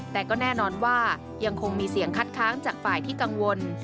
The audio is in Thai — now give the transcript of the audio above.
แต่ก็แน่นอนว่ายังคงมีเสียงคัดค้างจากฝ่ายที่กังวล